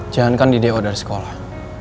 jangan kan di do dari sekolah